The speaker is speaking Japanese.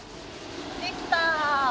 できた！